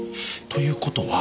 という事は。